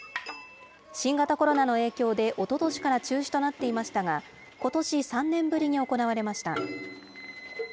新型コロナの影響で、おととしから中止となっていましたが、ことし、３年ぶりに行われました。